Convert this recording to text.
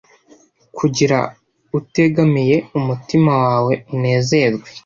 kugira utegamiye umutima wawe unezerwe